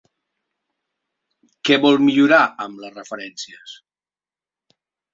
Què vol millorar amb les referències?